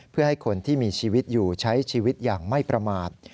เพื่อให้คนที่มีชีวิตอยู่ใช้ชีวิตอย่างไม่ประมาท